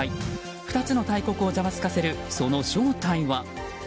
２つの大国をざわつかせるその正体は？